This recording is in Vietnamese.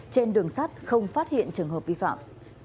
trên đường sát không phát hiện trường hợp vi phạm